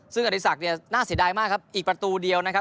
ซึ่งอดีศักดิ์เนี่ยน่าเสียดายมากครับอีกประตูเดียวนะครับ